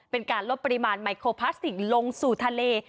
เป็นการลดปริมาณไมโครพลาสติกลงสู่ทะเล